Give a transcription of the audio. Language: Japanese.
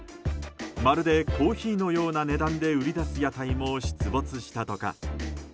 まるでコーヒーのような値段で売り出す屋台も出没したとか。